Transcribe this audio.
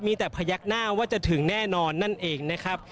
มีแต่พยักหน้าว่าจะถึงแน่นอนนั่นเองนะครับ